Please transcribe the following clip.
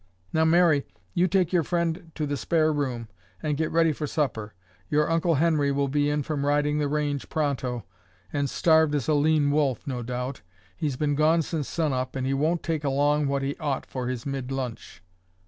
"Now, Mary, you take your friend to the spare room and get ready for supper. Your Uncle Henry will be in from riding the range pronto, and starved as a lean wolf, no doubt. He's been gone since sun up and he won't take along what he ought for his mid lunch."